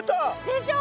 でしょ。